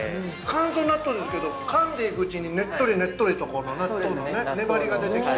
乾燥納豆ですけどかんでいくうちにねっとりねっとりとこの納豆のね、粘りが出てきて。